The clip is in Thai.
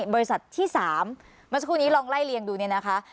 บริษัทที่๓เมื่อสักครู่นี้ลองไล่เรียงดูเนี่ยนะคะ